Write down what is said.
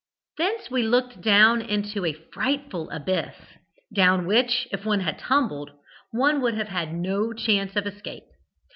Thence we looked down into a frightful abyss, down which, if one had tumbled, one would have had no chance of escape.